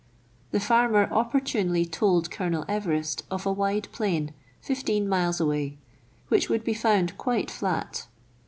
The farmer opportunely told Colonel Everest of a wide plain, fifteen miles away, which would be found quite flat.